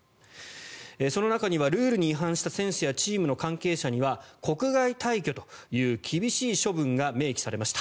その中にはルールに違反した選手やチームの関係者には国外退去という厳しい処分が明記されました。